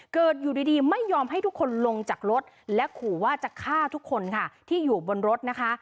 อยู่ดีไม่ยอมให้ทุกคนลงจากรถและขู่ว่าจะฆ่าทุกคนค่ะที่อยู่บนรถนะคะ